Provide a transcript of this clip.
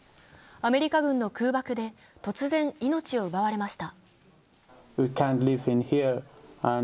アメリカ軍の空爆で突然、命を奪われました。